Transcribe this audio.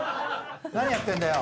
何やってんだよ